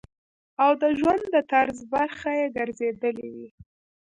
او د ژوند د طرز برخه ئې ګرځېدلي وي -